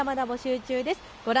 まだまだ募集中です。